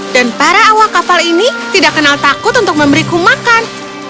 dan para awak kapal ini tidak kenal takut untuk memberiku makan